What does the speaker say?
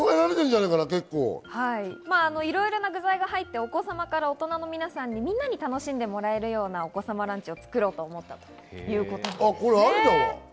いろいろな具材が入って、お子様から大人の皆さん、みんなに楽しんでもらえるようなお子様ランチを作ろうと思ったそうです。